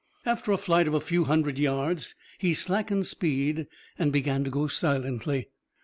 After a flight of a few hundred yards he slackened speed, and began to go silently.